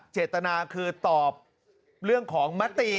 เจตนาคือตอบเรื่องของมติ